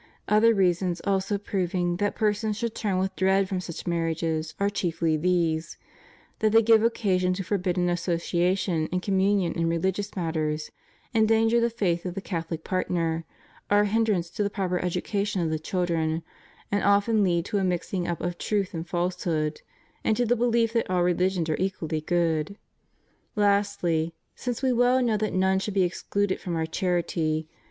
Other reasons also proving that persons should turn with dread from such marriages are chiefly these: that they give occasion to forbidden association and communion in religious matters; endanger the faith of the CathoHc partner; are a hindrance to the proper education of the children; and often lead to a mixing up of truth and falsehood, and to the belief that all religions are equally good. Lastly, since We well know that none should be ex cluded from Our charity.